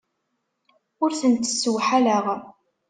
Ur tent-ssewḥaleɣ.